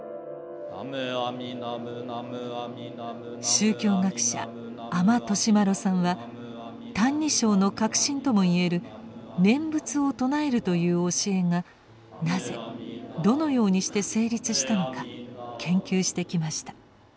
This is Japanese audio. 宗教学者阿満利麿さんは「歎異抄」の核心ともいえる「念仏を称える」という教えがなぜどのようにして成立したのか研究してきました。